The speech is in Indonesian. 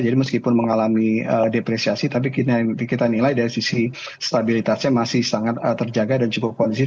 jadi meskipun mengalami depresiasi tapi kita nilai dari sisi stabilitasnya masih sangat terjaga dan cukup kondisif